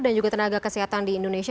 dan juga tenaga kesehatan di indonesia